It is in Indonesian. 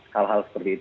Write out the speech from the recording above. hal hal seperti itu